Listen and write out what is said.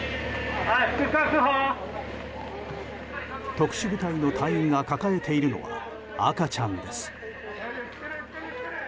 特殊部隊の隊員が抱えているのは赤ちゃんです。